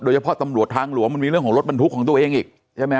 ตำรวจทางหลวงมันมีเรื่องของรถบรรทุกของตัวเองอีกใช่ไหมฮ